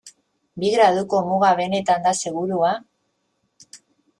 Bi graduko muga benetan da segurua?